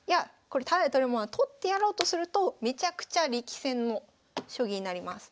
これタダで取れるもんは取ってやろうとするとめちゃくちゃ力戦の将棋になります。